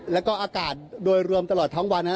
แล้วก็อากาศโดยรวมตลอดทั้งวัน